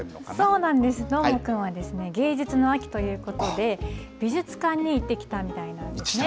そうなんです、どーもくんはですね、芸術の秋ということで、美術館に行ってきたみたいなんですね。